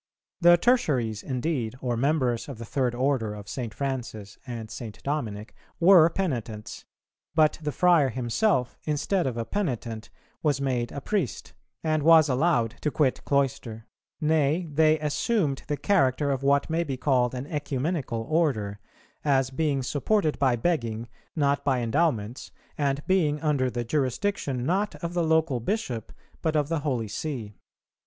The Tertiaries indeed, or members of the third order of St. Francis and St. Dominic, were penitents; but the friar himself, instead of a penitent, was made a priest, and was allowed to quit cloister. Nay, they assumed the character of what may be called an Ecumenical Order, as being supported by begging, not by endowments, and being under the jurisdiction, not of the local Bishop, but of the Holy See.